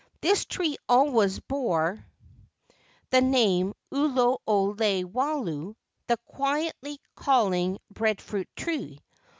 This tree always bore the name Ulu o lei walo (the quietly calling breadfruit tree).